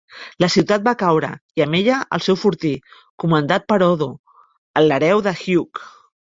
La ciutat va caure i, amb ella, el seu fortí, comandat per Odo, l'hereu de Hugh.